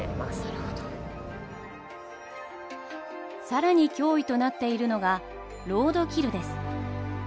更に脅威となっているのがロードキルです。